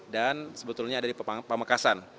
dan sebetulnya ada di pamekasan